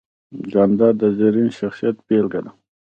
جانداد د زرین شخصیت بېلګه ده.